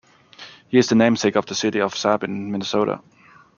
He is the namesake of the city of Sabin, Minnesota.